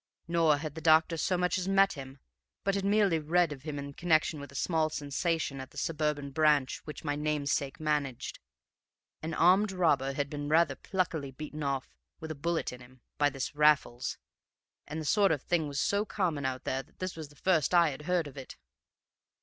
Nor had the doctor so much as met him, but had merely read of him in connection with a small sensation at the suburban branch which my namesake managed; an armed robber had been rather pluckily beaten off, with a bullet in him, by this Raffles; and the sort of thing was so common out there that this was the first I had heard of it!